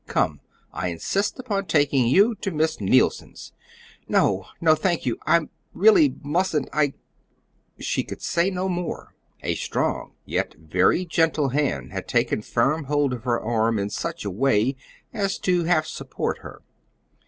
Come, I insist upon taking you to Miss Neilson's." "No, no, thank you! I really mustn't. I " She could say no more. A strong, yet very gentle hand had taken firm hold of her arm in such a way as half to support her.